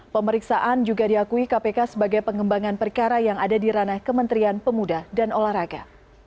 pemeriksaan juga diakui kpk sebagai pengembangan perkara yang ada di ranah kementerian pemuda dan olahraga